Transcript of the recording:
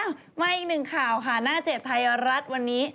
มาอีกหนึ่งข่าวค่ะหน้าเจ็ดไทยรัฐวันนี้